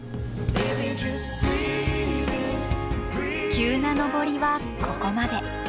急な登りはここまで。